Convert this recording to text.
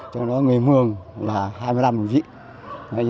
cho nó người mường là hai mươi năm đồng chí